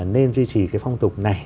nên duy trì cái phong tục này